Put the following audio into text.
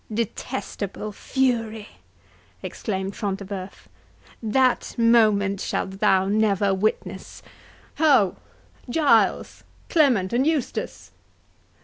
"Detestable fury!" exclaimed Front de Bœuf, "that moment shalt thou never witness—Ho! Giles, Clement, and Eustace!